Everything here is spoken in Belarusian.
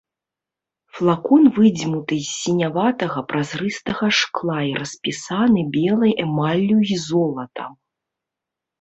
Флакон выдзьмуты з сіняватага празрыстага шкла і распісаны белай эмаллю і золатам.